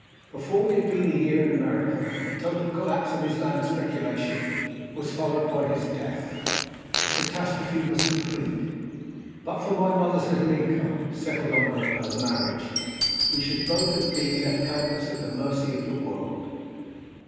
Before we had been a year in America, the total collapse of his land speculation was followed by his death. The catastrophe was complete. But for my mother's little income (settled on her at her marriage) we should both have been left helpless at the mercy of the world.